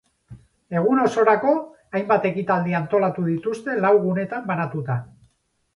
Egun osorako, hainbat ekitaldi antolatu dituzte lau gunetan banatuta.